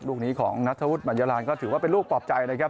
ลูกนี้ของนัทธวุฒิบัญญาลานก็ถือว่าเป็นลูกปลอบใจนะครับ